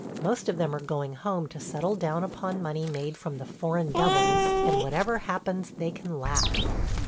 Most of them are going home to settle down upon money made from the "foreign devils," and whatever happens they can laugh.